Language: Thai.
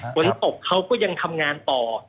ฝนตกเขาก็ยังทำงานต่อ